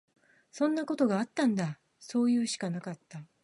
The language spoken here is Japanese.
そんなことあったんだ。そういうしかなかった。